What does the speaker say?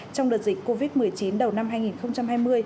trong đợt dịch covid một mươi chín đầu năm hai nghìn hai mươi